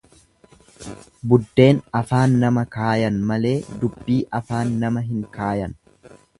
Buddeen afaan nama kaayan malee dubbii afaan nama hin kaayan.